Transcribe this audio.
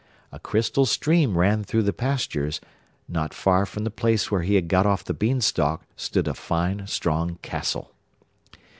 A crystal stream ran through the pastures; not far from the place where he had got off the Beanstalk stood a fine, strong castle.